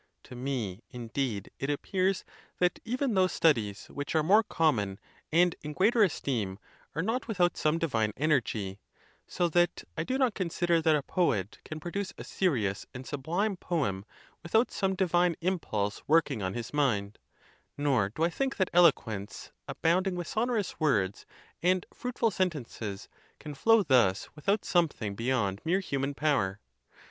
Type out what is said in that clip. To me, indeed, it appears that even those studies which are more common and in greater esteem are not without some divine energy: so that I do not consider that a poet can produce a serious and sublime poem with out some divine impulse working on his mind; nor do I think that eloquence, abounding with sonorous words and fruitful sentences, can flow thus without something be yond mere_human power.